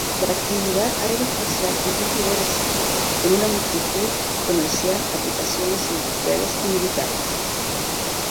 La actividad aeroespacial es muy diversa, con una multitud comercial, aplicaciones industriales y militares.